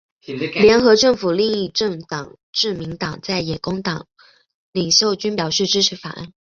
联合政府另一政党自民党和在野工党领袖均表示支持法案。